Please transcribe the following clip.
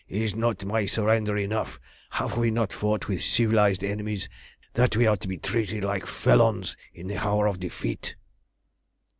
Is not my surrender enough? Have we not fought with civilised enemies, that we are to be treated like felons in the hour of defeat?"